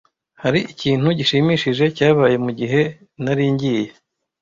Hari ikintu gishimishije cyabaye mugihe nari ngiye?